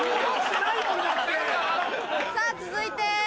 さぁ続いて。